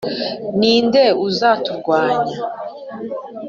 Ni nde uzaturwanya